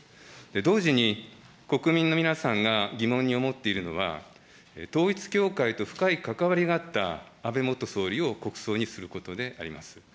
同時に、国民の皆さんが疑問に思っているのは、統一教会と深い関わりがあった安倍元総理を国葬にすることであります。